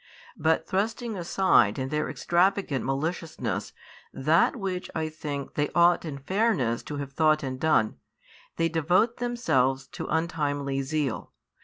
But thrusting aside in their extravagant maliciousness that which I think they ought in fairness to have thought and done, they devote themselves to untimely zeal.